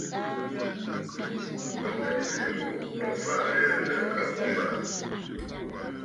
Ò ghɛ nyweʼe ghu, ò faʼà ŋ̀ghɛɛ nɨ̂ àbô màʼà.